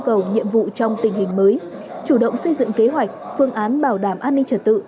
cầu nhiệm vụ trong tình hình mới chủ động xây dựng kế hoạch phương án bảo đảm an ninh trật tự